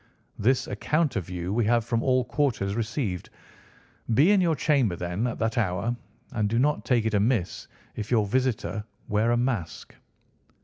This account of you we have from all quarters received. Be in your chamber then at that hour, and do not take it amiss if your visitor wear a mask."